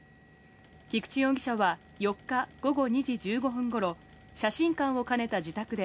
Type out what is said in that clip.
菊池容疑者は４日午後２時１５分ごろ、写真館を兼ねた自宅で、